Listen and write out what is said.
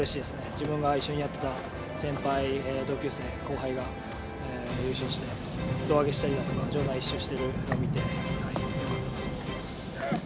自分が一緒にやってた先輩、同級生、後輩が優勝して、胴上げしたりだとか、場内一周しているのを見て、よかったなと思います。